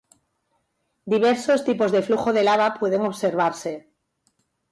Diversos tipos de flujo de lava pueden observarse.